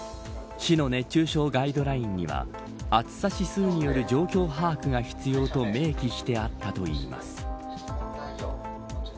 市の熱中症ガイドラインには暑さ指数による状況把握が必要と明記してあったといいます。